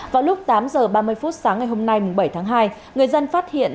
vào lúc tám h ba mươi phút sáng ngày hôm nay bảy tháng hai người dân phát hiện